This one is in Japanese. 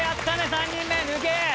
３人目抜け。